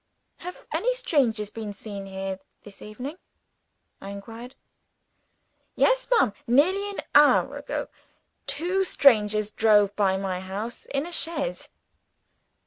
"Have any strangers been seen here this evening?" I inquired. "Yes, ma'am. Nearly an hour ago two strangers drove by my house in a chaise."